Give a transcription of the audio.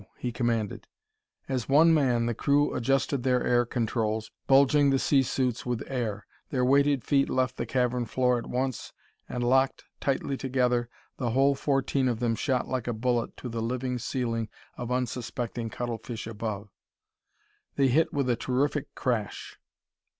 he commanded. As one man the crew adjusted their air controls, bulging the sea suits with air. Their weighted feet left the cavern floor at once, and, locked tightly together, the whole fourteen of them shot like a bullet to the living ceiling of unsuspecting cuttlefish above. They hit with a terrific crash.